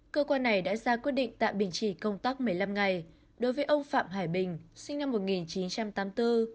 cơ quan này đã ra quyết định tạm đình chỉ công tác một mươi năm ngày đối với ông phạm hải bình sinh năm một nghìn chín trăm tám mươi bốn